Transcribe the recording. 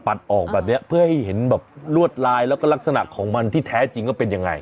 ออกแบบเนี้ยเพื่อให้เห็นแบบลวดลายแล้วก็ลักษณะของมันที่แท้จริงว่าเป็นยังไง